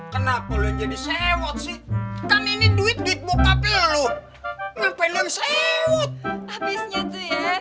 kenapa lo jadi sewot sih kan ini duit duit bokapil lo ngapain lo yang sewot habisnya tuh ya